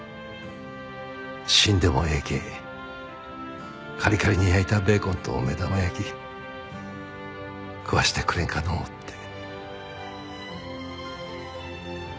「死んでもええけえカリカリに焼いたベーコンと目玉焼き食わしてくれんかのお」って。